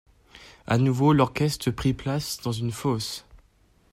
À nouveau, l'orchestre prit place dans une fosse.